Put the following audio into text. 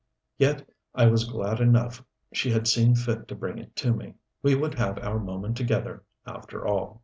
Yet I was glad enough she had seen fit to bring it to me. We would have our moment together, after all.